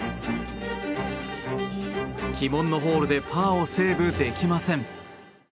鬼門のホールでパーをセーブできません。